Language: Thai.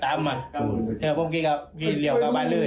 ทำมารักใจแสดงว่าที่ทำบ้านนั้นเขาเกลียดรถตามมา